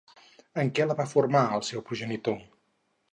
En què la va formar el seu progenitor?